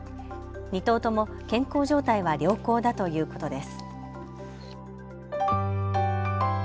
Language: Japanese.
２頭とも健康状態は良好だということです。